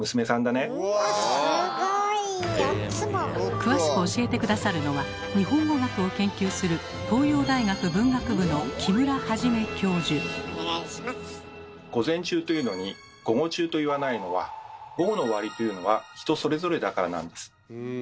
詳しく教えて下さるのは日本語学を研究する「午前中」と言うのに「午後中」と言わないのは午後の終わりというのは人それぞれだからなんです。